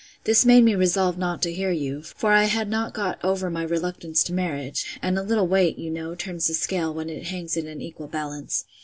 This made me resolve not to hear you; for I had not got over my reluctance to marriage; and a little weight, you know, turns the scale, when it hangs in an equal balance.